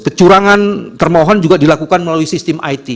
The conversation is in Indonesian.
kecurangan termohon juga dilakukan melalui sistem it